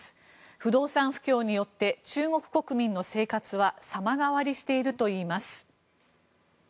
不動産不況によって中国国民の生活は様変わりしているといいます。